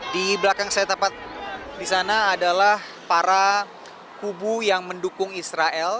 di belakang saya tepat di sana adalah para kubu yang mendukung israel